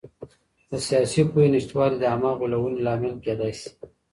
د سياسي پوهي نشتوالی د عامه غولونې لامل کېدای سي.